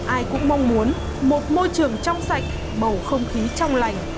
ai cũng mong muốn một môi trường trong sạch bầu không khí trong lành